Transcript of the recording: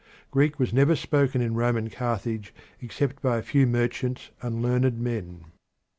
Greek was never spoken in Roman Carthage except by a few merchants and learned men.